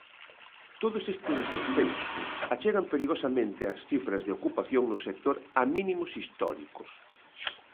Todos estes descensos achegan perigosamente as cifras de ocupación no sector a mínimos históricos.